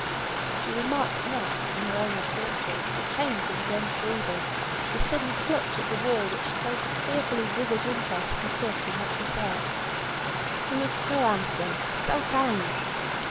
She remarked not, in her own absorption, the change in Jem's breathing, the sudden clutch at the wall which told the fearfully vivid interest he took in what she said. "He was so handsome, so kind!